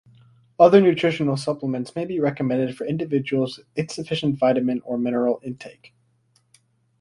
Other nutritional supplements may be recommended for individuals with insufficient vitamin or mineral intake.